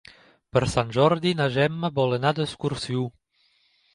Per Sant Jordi na Gemma vol anar d'excursió.